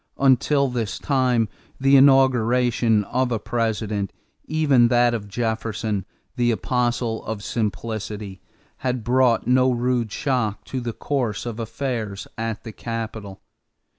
Until this time the inauguration of a President even that of Jefferson, the apostle of simplicity had brought no rude shock to the course of affairs at the capital.